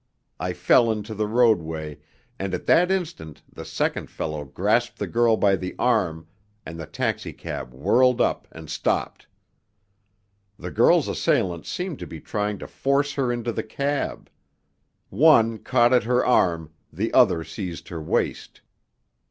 I fell into the roadway, and at that instant the second fellow grasped the girl by the arm and the taxicab whirled up and stopped. The girl's assailants seemed to be trying to force her into the cab. One caught at her arm, the other seized her waist.